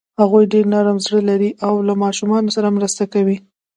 هغوی ډېر نرم زړه لري او له ماشومانو سره مرسته کوي.